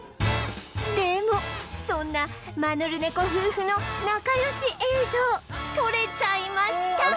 でもそんなマヌルネコ夫婦の仲良し映像撮れちゃいました！